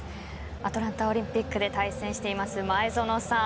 アトランタオリンピックで対戦しています、前園さん